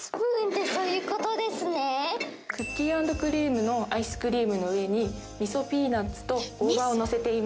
クッキー＆クリームのアイスクリームの上に味噌ピーナッツと大葉を載せています。